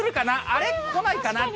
あれ、来ないかな。